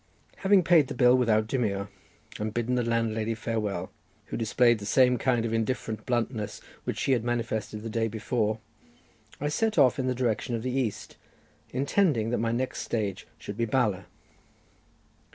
Having paid the bill without demur, and bidden the landlady farewell, who displayed the same kind of indifferent bluntness which she had manifested the day before, I set off in the direction of the east, intending that my next stage should be Bala.